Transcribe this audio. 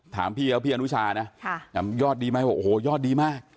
ถามพี่เขาพี่อนุชานะยอดดีไหมบอกโอ้โหยอดดีมาก